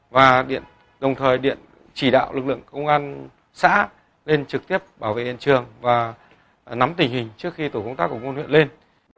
và điện đồng thời điện chỉ đạo lực lượng công an xã lên trực tiếp bảo vệ hiện trường và nắm tình hình trước khi tổ công tác của công an huyện lên